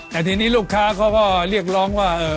แต่ทีนี้ลูกค้าเขาก็เรียกร้องว่า